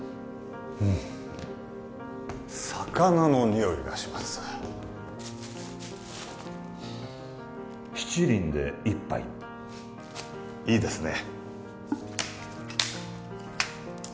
魚のにおいがします七輪で一杯いいですね